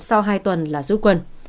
sau hai tuần là rút quân